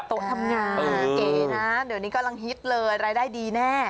โต๊ะทำงานเก๋นะเดี๋ยวนี้กำลังฮิตเลยรายได้ดีแน่